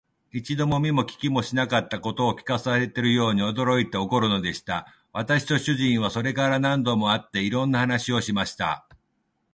一度も見も聞きもしなかったことを聞かされたように、驚いて憤るのでした。私と主人とは、それから後も何度も会って、いろんな話をしました。